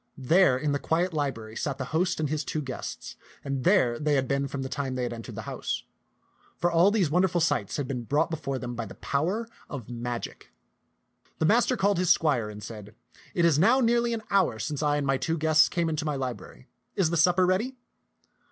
There in the quiet library sat the host and his two guests, and there they had been from the time that they entered the house ; for all these wonderful sights had been brought be fore them by the power of magic. The master called his squire and said, " It is now nearly an hour since I and my two guests came into my library. Is the supper ready